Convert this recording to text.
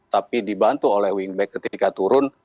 tapi dibantu oleh wingback ketika turun